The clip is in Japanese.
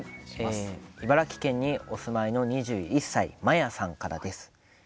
茨城県にお住まいの２１歳の方からです。